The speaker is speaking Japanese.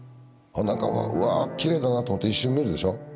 なんかわあきれいだなと思って一瞬見るでしょ。